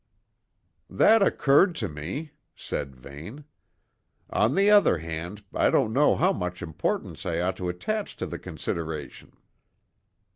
"That occurred to me," said Vane, "On the other hand, I don't know how much importance I ought to attach to the consideration."